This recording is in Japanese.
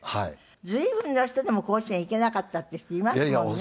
随分な人でも甲子園行けなかったっていう人いますもんね。